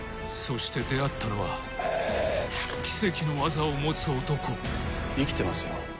そして出会ったのは奇跡のワザを持つ男生きてますよ